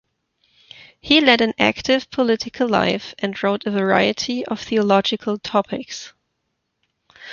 He led an active political life and wrote on a variety of theological topics.